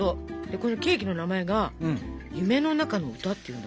このケーキの名前が「夢の中の歌」っていうんだ。